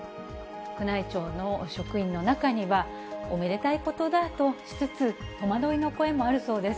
宮内庁の職員の中には、おめでたいことだとしつつ、戸惑いの声もあるそうです。